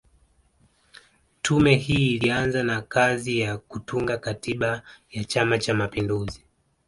Tume hii ilianza na kazi ya kutunga Katiba ya Chama Cha mapinduzi